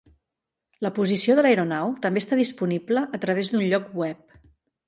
La posició de l'aeronau també està disponible a través d'un lloc web.